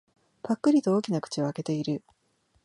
ぱっくりと大きな口を開けている。